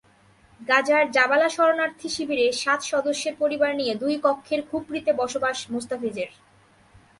গাজার জাবালা শরণার্থী শিবিরে সাত সদস্যের পরিবার নিয়ে দুই কক্ষের খুপরিতে বসবাস মোস্তাফিজের।